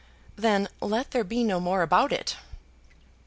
"Then let there be no more about it."